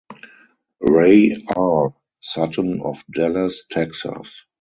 Ray R. Sutton of Dallas, Texas.